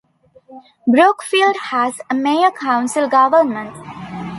Brookfield has a mayor-council government.